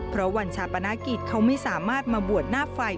เพราะวันชาปนกิจเขาไม่สามารถมาบวชหน้าไฟ